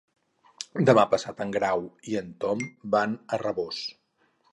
Demà passat en Grau i en Tom van a Rabós.